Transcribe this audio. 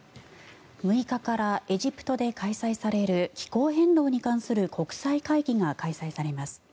６日からエジプトで開催される気候変動に関する国際会議が開催されます。